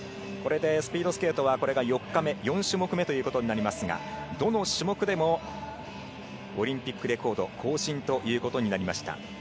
これでスピードスケートは４日目４種目めとなりますがどの種目でもオリンピックレコード更新ということになりました。